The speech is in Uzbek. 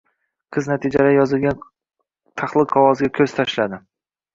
Qiz natijalar yozilgan tahlil qog`oziga ko`z tashladi